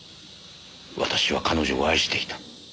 私は彼女を愛していた。